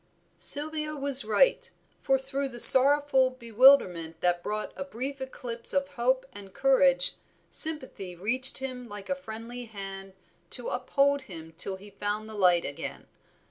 Sylvia was right; for through the sorrowful bewilderment that brought a brief eclipse of hope and courage, sympathy reached him like a friendly hand to uphold him till he found the light again.